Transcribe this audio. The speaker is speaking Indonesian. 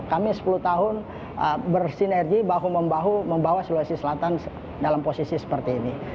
kami sepuluh tahun bersinergi bahu membahu membawa sulawesi selatan dalam posisi seperti ini